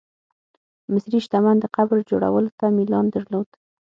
مصري شتمن د قبر جوړولو ته میلان درلود.